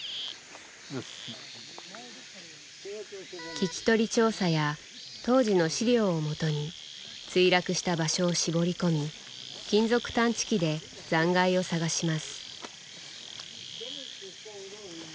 聞き取り調査や当時の資料をもとに墜落した場所を絞り込み金属探知機で残骸を探します。